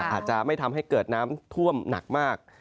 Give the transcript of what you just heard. อาจจะไม่ทำให้เกิดน้ำท่วมหนักมาก